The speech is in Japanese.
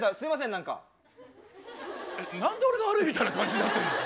何で俺が悪いみたいな感じになってるの？